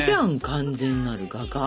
完全なる画家。